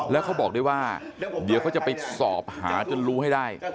แล้วเขาบอกด้วยว่าเดี๋ยวเขาจะไปสอบหาจนรู้ให้ได้